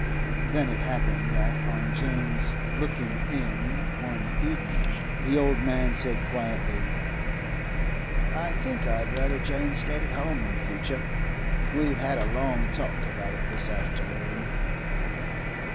Then it happened that, on Joseph's looking in one evening, the old man said quietly, 'I think I'd rather Jane stayed at home in future. We've had a long talk about it this afternoon.